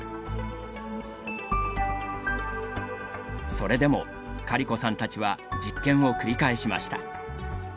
それでもカリコさんたちは実験を繰り返しました。